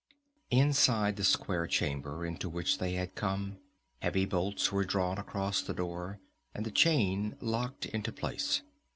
Inside the square chamber into which they had come heavy bolts were drawn across the door, and the chain locked into place.